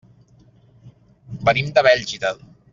Venim de Bèlgida.